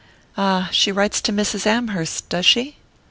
"Ah she writes to Mrs. Amherst, does she?"